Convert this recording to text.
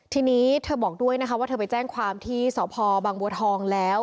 ทีนี้เธอบอกด้วยนะคะว่าเธอไปแจ้งความที่สพบางบัวทองแล้ว